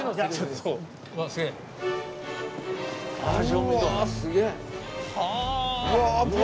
すげえ。